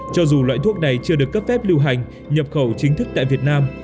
cho dù loại thuốc này chưa được cấp phép lưu hành nhập khẩu chính thức tại việt nam